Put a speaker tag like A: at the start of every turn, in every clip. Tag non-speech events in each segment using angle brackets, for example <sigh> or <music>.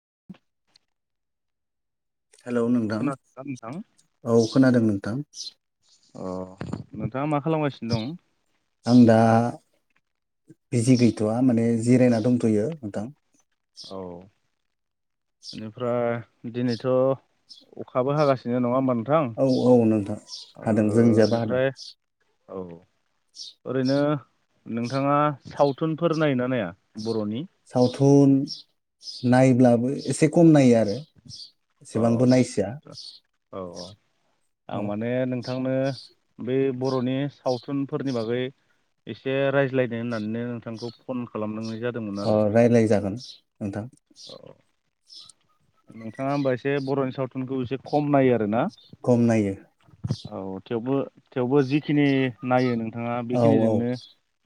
A: <inaudible>
B: Hello नोंथां
A: खोनादोंना
B: औ खोनादों नों थां <inaudible>
A: अ नोंथाङा मा खालामगासिनो दं
B: आं दा बिजि गैथ'वआ माने जिरायना दंथ'यो नोंथां
A: औ बेनिफ्राय दिनैथ' अखाबो हागासिनो नङा होमबा नोंथां
B: औ-औ नोंथां हादों जींनिजाइबो हादों।
A: औ-औ ओरैनो नोंथाङा सावथुनफोर नायो ना नाया? बर'नि
B: सावथुन नायब्लाबो एसे खम नायो आरो
A: अ
B: एसेबांबो नायसोया।
A: औ आं माने नों नोंथांनो बे बरनि सावथुनफोरनि बागै एसे रायज्लायनो होननाननो नोंथांखौ फन खालामदों
B: ओ रायज्लाय जागोन नोंथां।
A: नोंथाङा होमबा एसे बरनि सावथुनखौ एसे खम नायो आरो ना।
B: खम नायो।
A: औ थेवबो-थेवबो जिखिनि नायो नों नोंथांङा
B: औ औ
A: बेखिनिजोंनो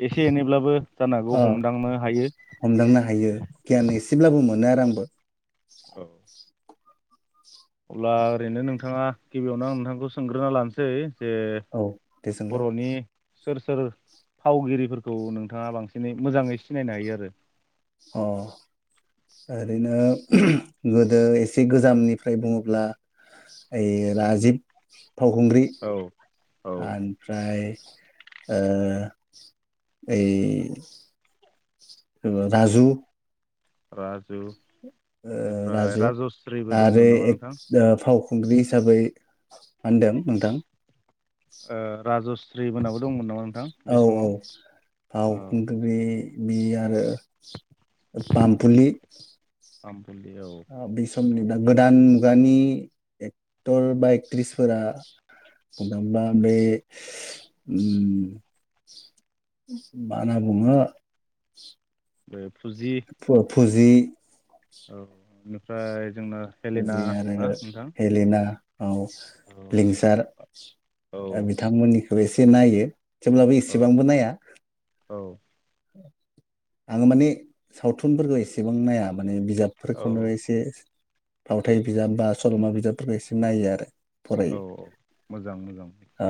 A: एस से एनैब्लाबो जानो हागौ
B: ओ
A: हमदांनो हायो
B: हमदांनो हायो गियान एसेब्लाबो मोनो आरो आंबो।
A: औ अब्ला ओरैनो नोंथाङा गिबियावनो आं नोंथांखौ सोंग्रोना लानसै। जे
B: औ दे सोंलाय
A: बर'नि सोर-सोर फावगिरिफोरखौ नोंथाङा बांसिनै मोजाङै सिनायनो हायो आरो?
B: अ ओरैनो गोदो एसे गोजामनिफ्राय बुङोब्ला ओइ राजिब फावखुंग्रि
A: औ औ
B: ओनफ्राय ओ ओए राजु
A: राजु
B: ओ
A: बेनिफ्राय
B: राजु
A: राजस्रिबो
B: आरो
A: दंमोन नामा
B: एक
A: नोंथां
B: ओ फाव खुंग्रि हिसाबै होनदों नोंथां
A: जै बोनाबोल
B: औ औ फाव
A: औ
B: खुंग्रि बे आरो पामफुलि
A: ओम
B: आ बिस समनि बा गोदान मुगानि एक्टर बा एक्ट्रिसफोरा बुंनो थांङोबा बे मा होना बुङो?
A: <unintelligible> फुजि
B: फुजि
A: औ ओनिफ्राय
B: फुजि आरो हेलेना औ
A: औ
B: लिंसार बिथांमोननि एसे नायो। थेवब्लाबो
A: औ
B: एसेबांबो नाया।
A: औ
B: आङो माने सावथुनफोरखौ एसेबां नायामोन। माने
A: औ
B: बिजाबफोरखौनो एसे फावथाय बिजाब बा सल'मा बिजाबफोरखौ एसे नायो आरो फरायो
A: औ औ मोजां मोजां।
B: ओ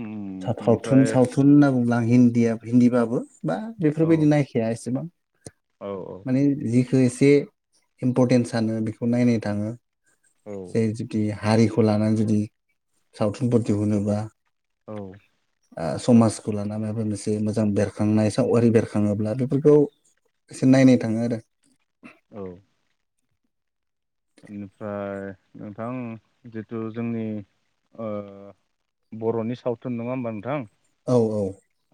A: उम
B: सावथुन
A: ओमफ्राय
B: होनना बुंला आं हिन्दीया हिन्ददिबाबो। बा
A: औ
B: बेफोरबायदि नायखाया एसेबां।
A: औ
B: माने जि बेखौ एसे इम्परटेन्स सानो बेखौ नायनो थाङो।
A: औ
B: <unintelligible> जुदि हारिखौ लानानै जुदि सावथुनफोर दिहुनोबा।
A: औ
B: ओ समाजखौ लाना मायबा मोनसे मोजां बेरखांनाय सावगारि बेरखाङोब्ला बेफोरखौ एसे नायनो थाङो आरो
A: औ बेनिफ्राय नोंथां जिथु जोंनि ओ बर'नि सावथुन नङा होमबा नोंथां?
B: औ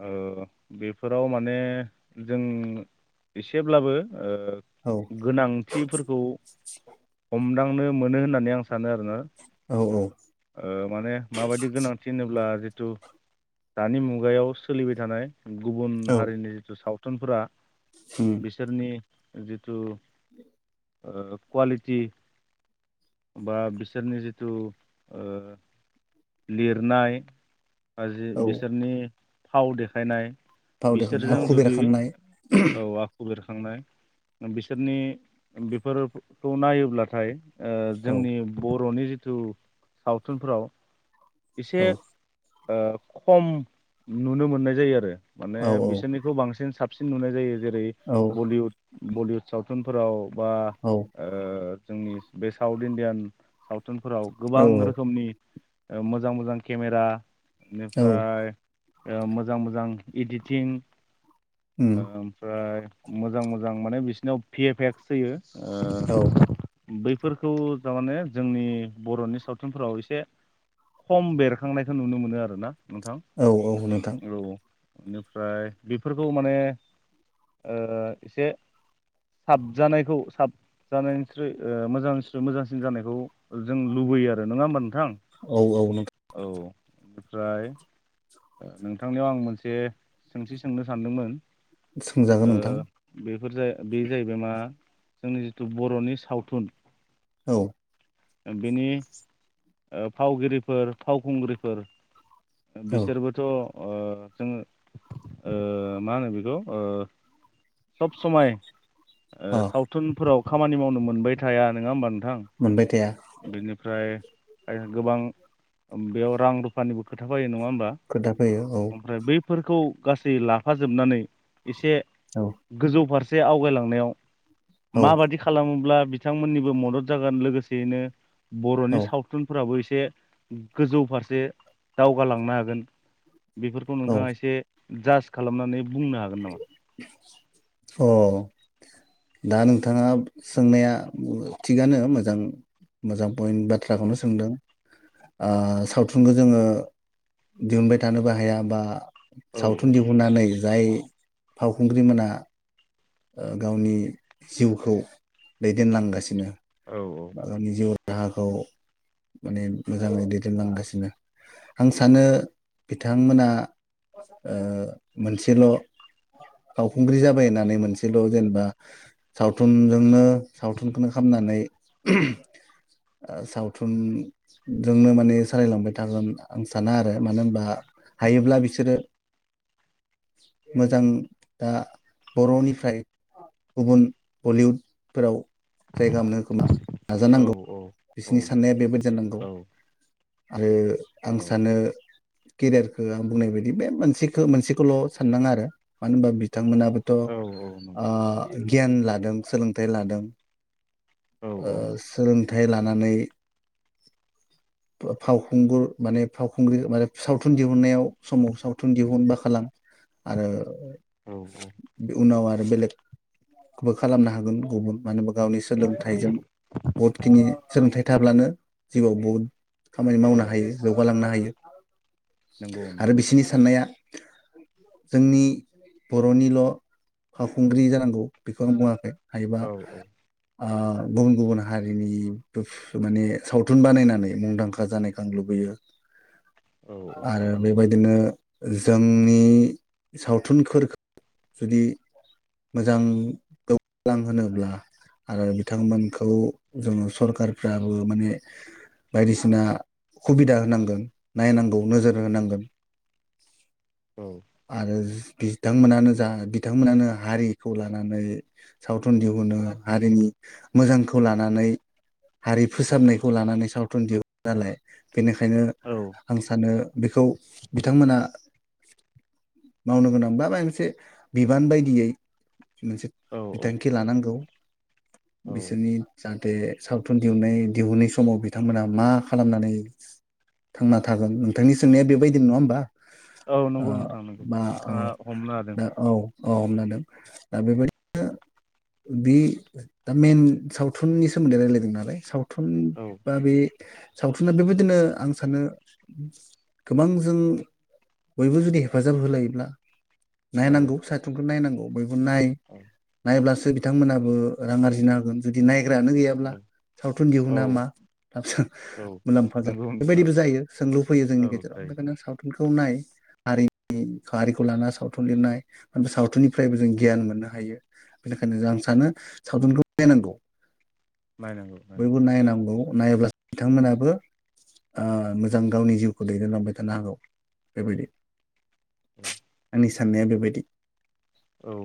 A: ओ बेफोराव माने जों एसेब्लाबो ओ
B: औ
A: गोनांथिफोरखौ मोनदांनो मोनो होननानै आं <unintelligible> सानो आरोना
B: औ
A: माने माबायदि गोनांथि होनोब्ला जिथु दानि मुगायाव सोलिबाय थानाय गुबुन
B: औ
A: हारिनि जिथु सावथुन
B: उम
A: <unintelligible> बिसोरनि <unintelligible> कुवालिटि बा बिसोरनि जिथु ओ लिरनाय <unintelligible>
B: औ
A: बिसोरनि थाव देखायनाय
B: फाव देखायनाय
A: बिसोरजों
B: आखु
A: जुदि
B: बेरखांनाय
A: औ <unintelligible> थांनाय बिसोरनि बेफोरखौ नायोब्ला नाथाय ओ
B: औ
A: जोंनि ब बर'नि जिथु सावथुनफोराव एसे
B: औ
A: ओ खम नुनो मोननाय जायो आरो माने
B: औ
A: बिसोरनिबो बांसिन साब साबसिन नुनाय जायो। जेरै
B: औ
A: बलिउड बलिउद सावथुनफोराव बा
B: औ
A: ओ जोंनि बे साउथ इण्डियान साव थुनफोराव
B: औ
A: गोबां रोखोमनि ओ मोजां मोजां केमेरा
B: औ
A: बेनिफ्राय ओ मोजां मोजां इडिटिं
B: उम
A: ओ ओमफ्राय मोजां मोजां माने बिसोरनाव पि एफ एक्स होयो।
B: औ।
A: फोरखौ थारमाने जोंनि बर'नि सावथुनफोराव एसे खम बेरखांनायखौ नुनो मोनो आरो ना। नोंथां
B: औ औ नोंथां
A: औ औ। बेनिफ्राय बेफोरखौ माने ओ एसे साबजानायखौ साबजानायनिस्रुइ ओ मोजांस्रि मोजांसिन जानायखौ जों लुबैयो आरो नङा होमबा नों थां?
B: औ औ नोंथां
A: औ बेनिफ्राय ओ नोंथांनियाव आं मोनसे सोंथि सोंनो सानदोंमोन। ओ
B: सोंजागोन नोंथां।
A: बेफोर बे जाहैबाय मा जोंनि जिथु बर'नि सावथुन
B: औ
A: बिनि ओ फावगिरिफोर फावखुंग्रिफोर
B: औ
A: बिसोरबोथ' ओ जोङो ओ मा होनो बेखौ ओ सब समाय ओ
B: अ
A: सावथुनफोराव खामानि मावनो मोनबाय थाया नङा होमबा नों थां
B: मोनबाय थाया
A: बेनिफ्राय गोबां बेयाव रां रुफानि बुथ खोथा फैयो नङा होम
B: खोथा फैयो औ।
A: फोरखौ गासै लाफाजोबनानै एसे
B: औ
A: गोजौ फारसे से आवगायलांनायाव
B: औ
A: माबायदि खालामोब्ला बिथांमोननिबो मदद जागोन लोगोसेयैनो बर'नि
B: औ
A: सावथुनफोराबो एसे से गोजौ फारसे दावगालांनो हागोन बेफोरखौ
B: औ
A: नोंथाङा एसे जास खालामनानै बुंनो हागोन नामा?
B: अ दा नोंथाङा सोंनाया थिगानो मोजां मोजां फयेन बाथ्राखौनो सोंदों। ओ सावथुनखौ जोङो दिहुनबाय थानोबो हाया बा
A: औ
B: सावथुन दिहुननानै जाय फावखुंग्रि मोना ओ गावनि जिउखौ दैदेनलांगासिनो
A: औ
B: बा गावनि जिउ राहाखौ माने मोजाङै दैदेनलांगासिनो आं सानो बिथांमोना ओ मोनसेल' फावखुंग्रि जाबाय होननानै मोनसे सेल' जेनेबा सावथुनजोंनो सावथुनखौनो खामनानै सावथुनजोंनो माने सालायलांबाय थागोन आं साना आरो मानो होनबा हायोब्ला बिसोरो मोजां दा बर'निफ्राय गुबुन बलिउडफोराव जायगा मोननो खोमा
A: औ
B: नाजानांगौ बिसिनि साननाया बेबायदि जानांगौ।
A: औ
B: आरो आं
A: औ
B: सानो केरियारखो आं बुंनाय बायदि बे मोनसेखो मोनसे खोल' साननाङा आरो मानो होनबा बिथांमोनाबोथ'
A: औ औ नंगौ
B: आ गियान लादों सोलोंथाइ लादों
A: औ
B: ओ सोलों थाइ लानानै फा फावखुंगुर माने फावखुंग्रि माने सावथुन दिहुननायाव समाव सावथुन दिहुनबा खालाम आरो
A: औ
B: बे उनाव आ रो बेलेग बो खालामनो हागोन गुबुन मानो होनबा गावनि सोलोंथाइजों बुहुदखिनि सोलोंथाइ थाब्लानो जिउआव बुहुद खामानि
A: ओ
B: मावनो हायो जौगालांनो हायो।
A: नंगौ
B: <unintelligible> आरो बिसिनि साननाया <unintelligible> जोंनि बर'निल' फावखुंग्रि जानांगौ बेखौ आं बुङाखै हायोबा
A: औ औ
B: ओ गुबुन गुबुन हारिनि बोफ माने सावथुन बानायनानै मुंदांखा जानायखो आं लुबैयो।
A: औ
B: आरो
A: नंगौ
B: बेबायदिनो जोंनि सावथुन खोरखो जुदि मोजां गेवालां होनोब्ला आरो बिथांमोनखौ जोङो सरखारफ्राबो माने बायदिसिना खुबिदा होनांगोन नायनांगौ नोजोर होनांगोन।
A: औ
B: आरो जज बिथांमोनानो जा बिथांमोनानो हारिखौ लानानै सावथुन दिहुनो हारिनि मोजांखौ लानानै हारि फोसाबनायखौ लानानै सावथुन दिहुनो नालाय बेनिखायनो
A: औ
B: आं सानो बेखौ बिथांमोना मावनो गोनां बा मा मोनसे बिबान बायदियै मोनसे
A: औ
B: बिथांखि लानांगौ बिसोरनि जान थे सावथुन दिहुननाय दिहुनै समाव बिथांमोनहा मा खालामनानै थांना थागोन नोंथांनि सोंनाया बेबायदि नङा होमबा??
A: औ
B: ओ
A: नंगौ नोंथां।
B: बा औ
A: नोंथाङा हमनो हादों।
B: दा औ औ हमनो हादों। दा बेबायदिनो बि दा मेइन सावथुननि सोमोन्दै रायलायदों नालाय साव थुन
A: औ
B: बा बे सावथुना बेबायदिनो आं सानो गोबां जों बयबो जुदि हेफाजाब होलायोब्ला
A: औ
B: नायनांगौ सायथुनखौ नायनांगौ। बयबो नाय
A: औ
B: नायब्लासो बिथांमोनाबो रां आरजिनो होगोन। जुदि नाय ग्रायानो गैयाब्ला सावथुन
A: औ
B: दिहुना मा लाब जानो
A: औ
B: मुलाम्फा जागोन
A: नंगौ नोंथां
B: बेबायदिबो जायो सोंलु फैयो
A: औ
B: जोंनि गेजेराव।
A: जायो
B: बेखायनो सावथुनखौ खौ नाय आरि नि हारिखौ लाना सावथुन लिरनाया सावथुननिफ्रायबो जों गियान मोननो हायो। बेनिखायनो जों आं सानो सावथुनखौ नायनांगौ।
A: नायनांगौ नायनांगौ।
B: नायोब्लासो बिथांमोनाबो ओ मोजां गावनि जिउखौ दैदेनलांबाय थानो हागौ बेबायदि।
A: उम
B: आंनि साननाया बेबायदि।
A: औ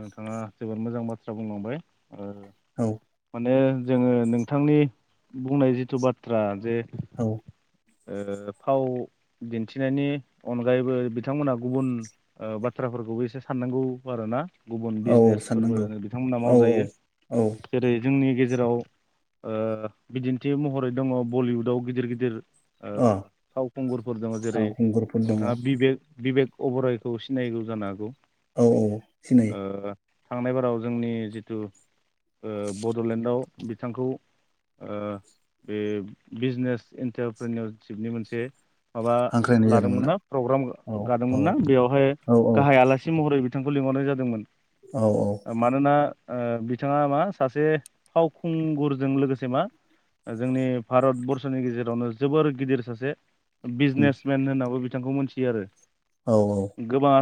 A: नोंथाङा जोबोद मोजां बाथ्रा बुंलांबाय। ओ
B: औ
A: माने जोङो नोंथांनि बुंनाय जिथु बाथ्रा जे
B: औ
A: ओ फाव दिन्थिनायनि अनगायैबो बिथांमोनहा गुबुन ओ बाथ्राफोरखौबो एसे साननांगौ आरोना। गुबुन
B: औ औ
A: बिजनेसफोरबो
B: साननांगौ
A: बिथांमोना
B: औ
A: मावजायो
B: औ
A: जेरै जोंनि गे जेराव ओ बिदिन्थि महरै दङ' बलिउडआव गिदिर गिदिर ओ
B: अ
A: फावखुंगुरफोर दङ
B: औ
A: जेरै
B: खुंगुरफोर दङ
A: नोंथाङा बिबेक बिबेक अबरायखौ सिनायगौ जानो हागौ?
B: औ औ सिनायो।
A: ओ थांनाय बाराव जोंनि जिथु ओ बडलेण्डआव बिथांखौ ओ बे बिजनेस इन्टारप पुरनिआव सिपनि मोनसे माबा
B: हांख्रायनाय जादोंमोन
A: लादोंमोन ना प्रग्राम
B: औ औ
A: गादोंमोन ना बेवहाय
B: औ
A: गाहाय आलासि महरै बि थांखौ लिंहरनाय जादोंमोन।
B: औ औ
A: मानोना ओह बिथाङा मा सासे फावखुंगुरजों लोगोसे मा जोंनि भारत बरर्सनि गेजेरावनो जोबोर गिदिर सासे
B: उम
A: बिजनेसमेन होननाबो बि बिथांखौ मिथियो आरो।
B: औ औ।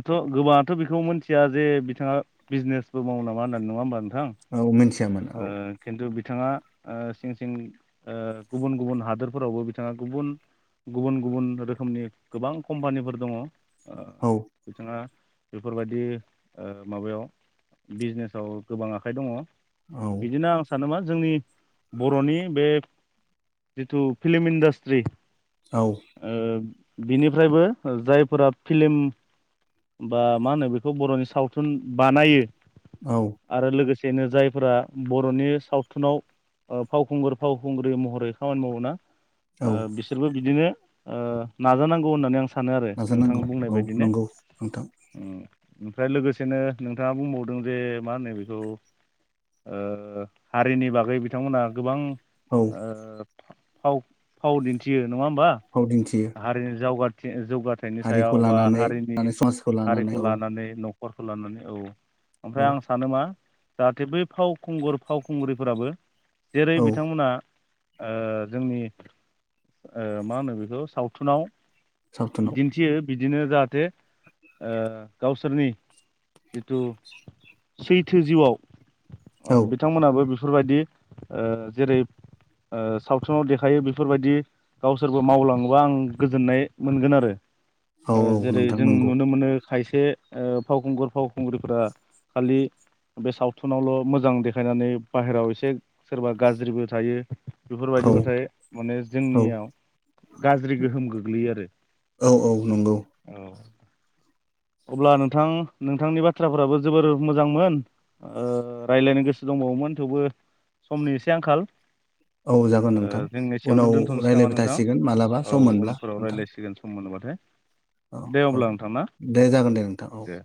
A: थ' गोबाङाथ बेखौ मिथिया जे बिथाङा बिजनेसबो मावो नामा होननानै नङा होमबा नोंथां
B: औ मिथियामोन
A: ओ
B: औ।
A: खिन्थु बिथाङा ओ सिं सिं ओ गुबुन गुबुन हादोरफोरावबो बिथाङा गुबुन गुबुन गुबुन रोखोमनि गोबां कम्पानिफोर दङ। ओ
B: औ
A: बिथाङा बेफोरबायदि ओ माबायाव बिजनेसाव गोबां आखाइ दङ।
B: औ
A: बिदिनो आं सानो मा जोंनि बर'नि बे जिथु फिलिम इन्दास स्रि
B: औ
A: ओ बिनिफ्रायबो ओ जायफोरा फिल्म बा मा होनो बेखौ बर'नि सावथुन बानायो
B: औ
A: आरो लोगो सेनो जायफोरा बर'नि सावथुनाव ओ फावखुंगुर फावखुंग्रि महरै खामानि मावोना ओ
B: औ
A: बिसोरबो बिदिनो ओ नाजानांगौ होननानै आं सा
B: नाजानांगौ औ नंगौ नोंथां।
A: उम ओमफ्राय लोगोसेनो नोंथाङा बुंबावदों जे मा होनो बेखौ ओ हारिनि बागै बिथांमोनहा गोबां
B: औ
A: ओ। औ। फाव दिन्थियो। नङा होमबा?
B: फाव दिन्थियो
A: हारिनि जावगा <unintelligible> जौगाथायाइनि
B: हारिखौ
A: सायाव बा
B: लानानै
A: हारिनि
B: लानानै समाजखौ
A: हारिखौ
B: औ
A: लानानै न'ख खरखौ लानानै औ।
B: औ
A: ओमफ्राय आं सानो मा जाहाथे बै फावखुंगुर फावखुंग्रिफोराबो जेरै
B: औ
A: बिथांमोना ओ जोंनि ओ मा होनो बेखौ सावथुनाव
B: सावथुनाव
A: दिन्थियो बिदिनो जाहाथे ओ गावसोरनि जिथु सैथो जिउआव
B: औ
A: ओ बिथांमोनहाबो बेफोरबायदि ओ जेरै ओ सावथुनाव देखायो बे बेफोरबायदि गावसोरबो मावलाङोबा आं गोजोननाय मोनगोन आरो।
B: औ औ
A: ओ जेरै
B: नोंथां
A: जों
B: नंगौ
A: नुनो मोनो खायसे ओ फावखुंगुर फावखुंग्रिफोरा खालि बे सावथुनावल' मोजां देखायनानै बाहेरायाव एसे सोरबा गाज्रिबो थायो
B: औ
A: बेफोरबायदिब्लाथाय ओ
B: औ
A: जोंनियाव गाज्रि गोहोम गोग्लैयो आरो
B: औ औ नंगौ
A: औ <inaudible> अब्ला नोंथां नोंथांनि बाथ्राफोराबो जोबोर मोजांमोन ओ रायज्लायनो गोसो दंबावोमोन थेवबो समनि एसे आंखाल
B: औ
A: ओ
B: जागोन नोंथां
A: जों एसेयावनो
B: उनाव
A: दोनथ'नोसै नामा
B: राय्लायबाय
A: नोंथां
B: थासिगोन मालाबा सम मोनब्ला नोंथां
A: ए
B: औ
A: दे
B: औ
A: अब्ला नोंथां ना
B: दे जागोन दे नोंथां औ
A: दे